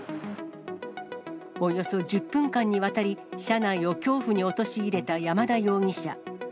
およそ１０分間にわたり、車内を恐怖に陥れた山田容疑者。